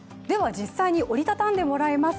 実際に折りたたんでもらいます。